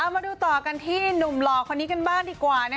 มาดูต่อกันที่หนุ่มหล่อคนนี้กันบ้างดีกว่า